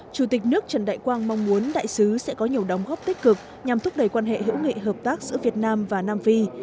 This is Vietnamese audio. chủ tịch nước trần đại quang mong muốn đại sứ sẽ có nhiều đóng góp tích cực nhằm thúc đẩy quan hệ hữu nghị hợp tác giữa việt nam và nam phi